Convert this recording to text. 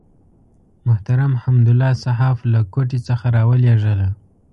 محترم حمدالله صحاف له کوټې څخه راولېږله.